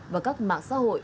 và các mạng xã hội